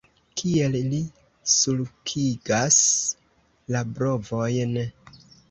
Kiel li sulkigas la brovojn!